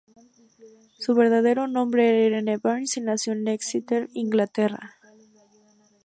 Su verdadero nombre era Irene Barnes y nació en Exeter, Inglaterra.